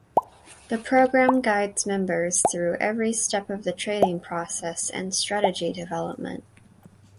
The program guides members through every step of the trading process and strategy development.